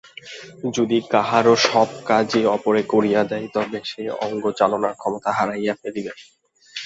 যদি কাহারও সব কাজই অপরে করিয়া দেয়, তবে সে অঙ্গচালনার ক্ষমতা হারাইয়া ফেলিবে।